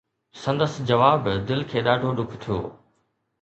سندس جواب دل کي ڏاڍو ڏک ٿيو.